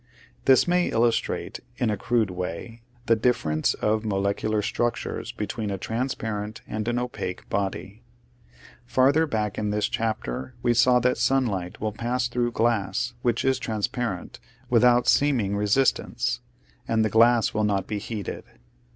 This may illustrate, in a crude way, the difference of molecular structures between a transparent and an opaque body. Farther back in this chapter we saw that sunlight will pass through glass, which is transparent, without seeming resistance, and / I . Original from UNIVERSITY OF WISCONSIN GraneparencB. 193 the glass will not be heated.